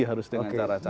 harus dengan cara cara